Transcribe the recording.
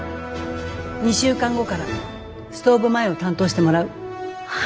２週間後からストーブ前を担当してもらう。